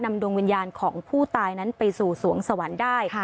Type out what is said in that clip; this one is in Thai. ดวงวิญญาณของผู้ตายนั้นไปสู่สวงสวรรค์ได้